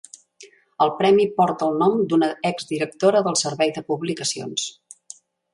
El premi porta el nom d'una exdirectora del servei de publicacions.